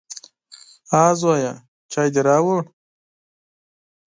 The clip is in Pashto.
_ها زويه، چای دې راووړ؟